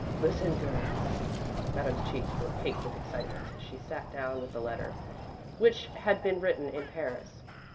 "Listen, girls!" Madame's cheeks were pink with excitement as she sat down with the letter, which had been written in Paris.